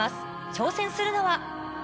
挑戦するのは。